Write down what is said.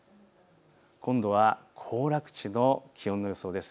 今度は行楽地の気温の予想です。